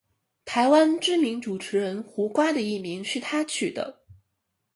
台湾知名主持人胡瓜的艺名是他取的。